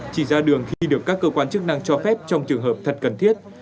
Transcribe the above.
chỉ ra đường khi được các cơ quan chức năng cho phép trong trường hợp thật cần thiết